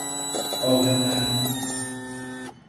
عاقل مرد